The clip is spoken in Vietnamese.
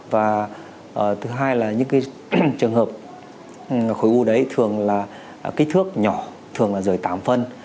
và thứ hai là những cái trường hợp khối u đấy thường là kích thước nhỏ thường là rời tám phân